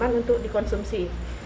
yang aman untuk dikonsumsi